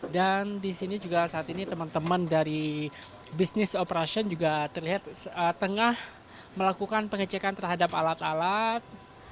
dan di sini juga saat ini teman teman dari bisnis operation juga terlihat tengah melakukan pengecekan terhadap alat alat